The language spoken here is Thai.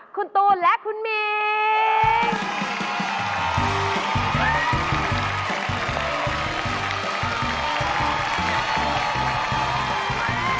คุณตูนและคุณมิ้ง